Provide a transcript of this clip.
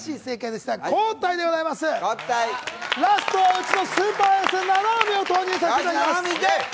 ラストはうちのスーパーエース、七海を投入させていただきます。